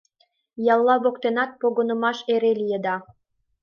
Ялла воктенат погынымаш эре лиеда.